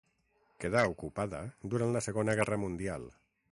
Quedà ocupada durant la Segona Guerra Mundial.